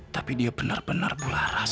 tapi dia benar benar pularas